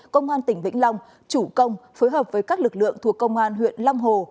công an tỉnh vĩnh long chủ công phối hợp với các lực lượng thuộc công an huyện long hồ